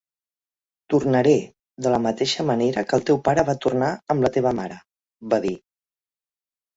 "Tornaré, de la mateixa manera que el teu pare va tornar amb la teva mare", va dir.